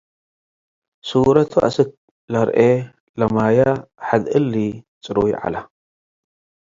ሱረቱ አስክ ለአርኤ ለማያ ሐድ እሊ" ጽሩይ ዐለ።